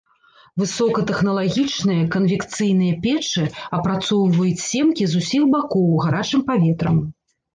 Высокатэхналагічныя канвекцыйныя печы апрацоўваюць семкі з усіх бакоў гарачым паветрам.